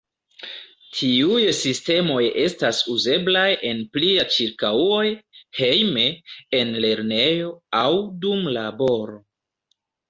Tiuj sistemoj estas uzeblaj en plia ĉirkaŭoj, hejme, en lernejo, aŭ dum laboro.